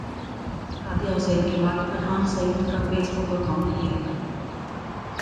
Nadia Hussain کے بعد فرحان سعید کا فیس بک اکانٹ ہیک